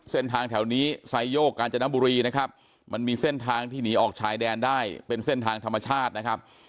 เส้นทางแถวนี้ไซโยกกาญจนบุรีนะครับมันมีเส้นทางที่หนีออกชายแดนได้เป็นเส้นทางธรรมชาตินะครับ